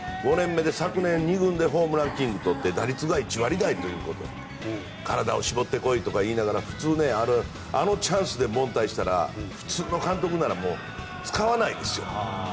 ５年目で昨年２軍でホームランキング取って打率が１割台ということで体を絞ってこいとか言いながら普通、あのチャンスで凡退したら普通の監督ならもう使わないですよ。